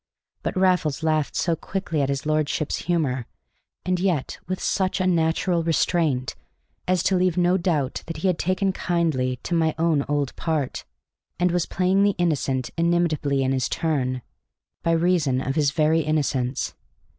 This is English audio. But Raffles laughed so quickly at his lordship's humor, and yet with such a natural restraint, as to leave no doubt that he had taken kindly to my own old part, and was playing the innocent inimitably in his turn, by reason of his very innocence.